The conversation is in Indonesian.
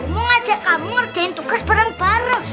mau ngajak kamu ngerjain tugas bareng bareng